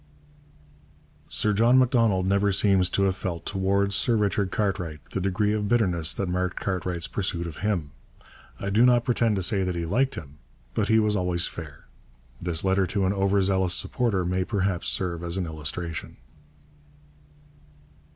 Sir John Macdonald never seems to have felt towards Sir Richard Cartwright the degree of bitterness that marked Cartwright's pursuit of him. I do not pretend to say that he liked him, but he was always fair. This letter to an over zealous supporter may perhaps serve as an illustration.